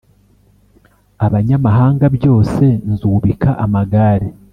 abanyamahanga byose Nzubika amagare